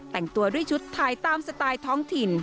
แต่งตัวด้วยชุดไทยตามสไตล์ท้องถิ่น